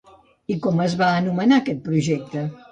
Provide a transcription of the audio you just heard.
I com es va anomenar aquest projecte?